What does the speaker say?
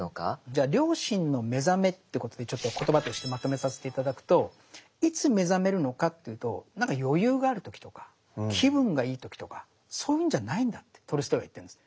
じゃあ良心の目覚めってことでちょっと言葉としてまとめさせて頂くといつ目覚めるのかっていうとなんか余裕がある時とか気分がいい時とかそういうんじゃないんだってトルストイは言ってるんです。